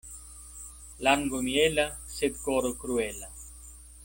Lango miela, sed koro kruela.